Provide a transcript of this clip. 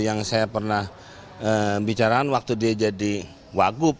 yang saya pernah bicarakan waktu dia jadi waguh